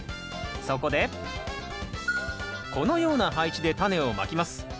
そこでこのような配置でタネをまきます。